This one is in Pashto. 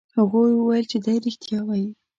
هغوی وویل چې دی رښتیا وایي.